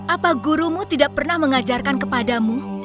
apa gurumu tidak pernah mengajarkan kepadamu